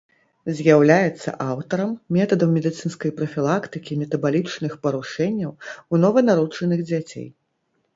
З'яўляецца аўтарам метадаў медыцынскай прафілактыкі метабалічных парушэнняў ў нованароджаных дзяцей.